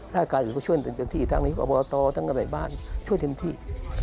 ราชกาศิษย์ก็ช่วยเต็มที่ทางนี้ก็พอต่อทั้งกันในบ้านช่วยเต็มที่